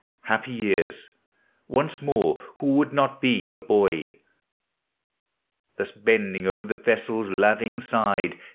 happy years! once more who would nol be a boy? Thus bending o'er the vessel's laving side.